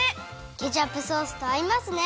ケチャップソースとあいますね！